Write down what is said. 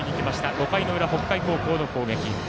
５回の裏、北海高校の攻撃。